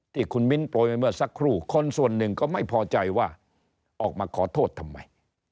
ที่คุณมิ้นโปรยไปเมื่อสักครู่คนส่วนหนึ่งก็ไม่พอใจว่าออกมาขอโทษทำไม